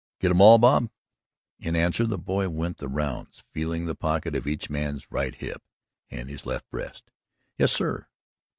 "Get 'em all, Bob?" In answer the boy went the rounds feeling the pocket of each man's right hip and his left breast. "Yes, sir."